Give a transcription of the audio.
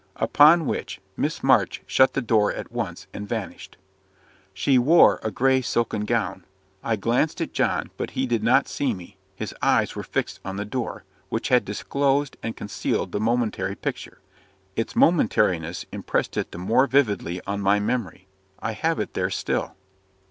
Upon which, Miss March shut the door at once, and vanished. She wore a grey silken gown. I glanced at John, but he did not see me, his eyes were fixed on the door, which had disclosed and concealed the momentary picture. Its momentariness impressed it the more vividly on my memory I have it there still.